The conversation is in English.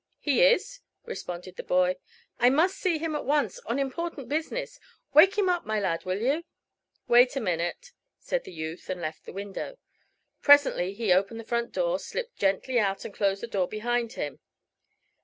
"He is," responded the boy. "I must see him at once on important business. Wake him up, my lad; will you?" "Wait a minute," said the youth, and left the window. Presently he opened the front door, slipped gently out and closed the door behind him.